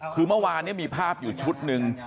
คือเมื่อวานนี้มีภาพอยู่ชุดหนึ่ง